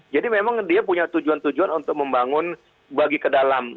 jadi memang dia punya tujuan tujuan untuk membangun bagi ke dalam